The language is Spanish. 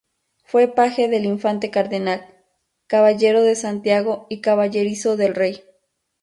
Fue paje del Infante Cardenal, caballero de Santiago y caballerizo del Rey.